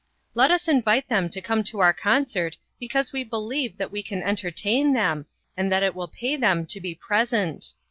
Let us invite them to come to our concert because we believe that we can entertain them, and that it will pay them to be present.